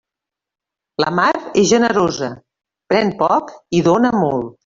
La mar és generosa: pren poc i dóna molt.